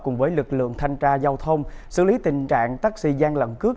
cùng với lực lượng thanh tra giao thông xử lý tình trạng taxi gian lượng cước